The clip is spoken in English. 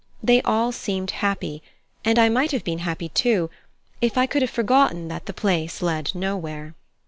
They all seemed happy; and I might have been happy too, if I could have forgotten that the place led nowhere.